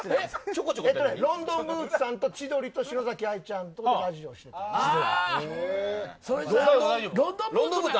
ロンドンブーツさんと千鳥と篠崎愛ちゃんとロンドンブーツ。